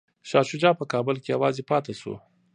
شاه شجاع په کابل کي یوازې پاتې شو.